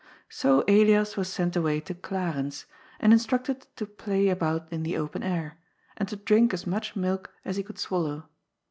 So Elias was sent away to Clarens, and instructed to play about in the open air, and to drink as much milk as he could swallow.